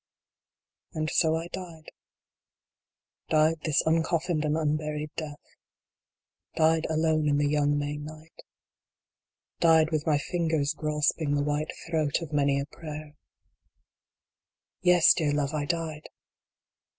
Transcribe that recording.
And so I died. Died this uncoffined and unburied Death. Died alone in the young May night. Died with my fingers grasping the white throat of many a prayer. III. Yes, dear love, I died